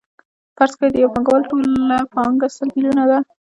فرض کړئ د یو پانګوال ټوله پانګه سل میلیونه ده